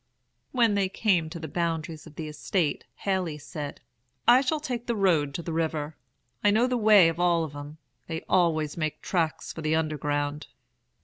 "When they came to the boundaries of the estate, Haley said: 'I shall take the road to the river. I know the way of all of 'em. They always makes tracks for the underground.'